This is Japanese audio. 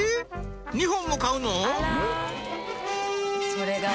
２本も買うの？